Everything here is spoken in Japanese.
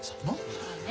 まあね。